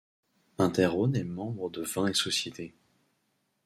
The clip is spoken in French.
Inter Rhône est membre de Vin et société.